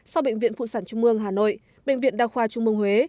sau bệnh viện phụ sản trung mương hà nội bệnh viện đa khoa trung mương huế